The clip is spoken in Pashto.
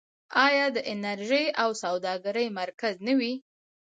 آیا د انرژۍ او سوداګرۍ مرکز نه وي؟